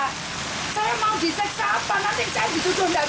maksud pak pak saya mau diseksa apa nanti saya ditutup gak bisa kerja lagi